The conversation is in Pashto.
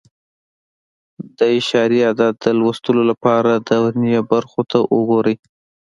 د اعشاري عدد د لوستلو لپاره د ورنيې برخو ته وګورئ.